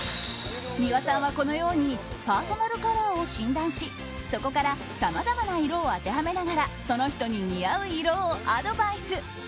三輪さんはこのようにパーソナルカラーを診断しそこからさまざまな色を当てはめながらその人に似合う色をアドバイス。